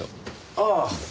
ああ。